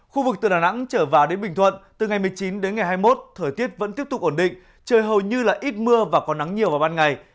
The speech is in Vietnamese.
khu vực từ đà nẵng trở vào đến bình thuận từ ngày một mươi chín đến ngày hai mươi một thời tiết vẫn tiếp tục ổn định trời hầu như là ít mưa và có nắng nhiều vào ban ngày